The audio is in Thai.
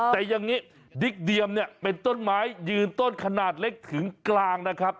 แต่อย่างนี้ดิกเดียมเนี่ยเป็นต้นไม้ยืนต้นขนาดเล็กถึงกลางนะครับ